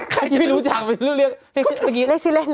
ใครจะไม่รู้ชากอย่างนั้น